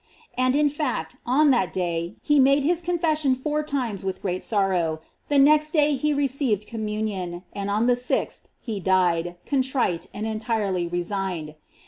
And in fact on that day he made his confession four times with great sorrow; the next day he re 536 GLORIES OF MARY. ceived communion, and on the sixth he dieu, contrite and entirely resigned.